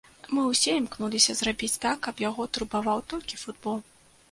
Мы ўсе імкнуліся зрабіць так, каб яго турбаваў толькі футбол.